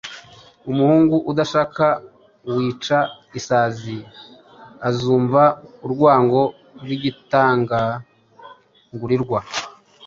Umuhungu udashaka wica Isazi azumva urwango rw'igitagangurirwa.